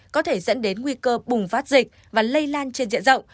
có thể dẫn đến nguy cơ bùng phát dịch và lây lan trên diện rộng